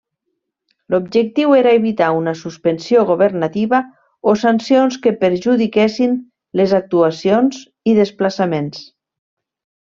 L'objectiu era evitar una suspensió governativa o sancions que perjudiquessin les actuacions i desplaçaments.